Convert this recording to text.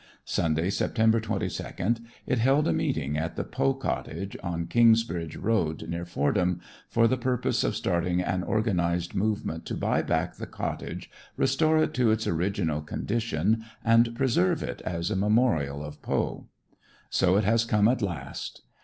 Sunday, Sept. 22, it held a meeting at the Poe cottage on Kingsbridge road near Fordham, for the purpose of starting an organized movement to buy back the cottage, restore it to its original condition and preserve it as a memorial of Poe. So it has come at last.